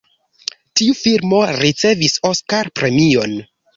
Tiu filmo ricevis Oskar-premion.